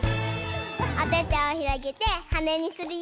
おててをひろげてはねにするよ。